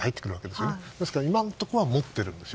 ですから今のところは持ってるんです。